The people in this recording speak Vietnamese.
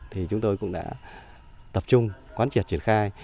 thì chúng tôi cũng đã tập trung quán triệt triển khai